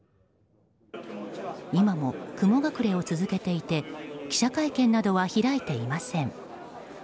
今も雲隠れを続けていて記者会見などは開いていません。